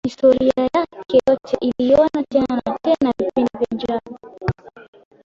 Historia yake yote iliona tena na tena vipindi vya njaa